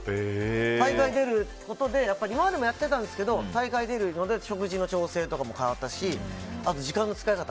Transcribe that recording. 大会に出ることでやっぱり今までもやってたんですけど大会出るので食事の調整とかも変わったしあと、時間の使い方。